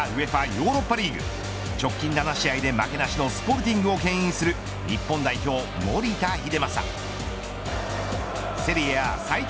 ヨーロッパリーグ直近７試合で負けなしのスポルティングをけん引する日本代表、守田英正。